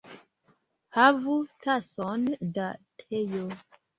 Havu tason da teo.